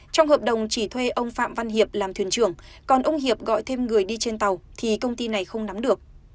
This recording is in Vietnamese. trong hợp đồng chỉ thuê ông phạm văn hiệp làm thuyền trưởng còn ông hiệp gọi thêm người đi trên tàu thì công ty này không nắm được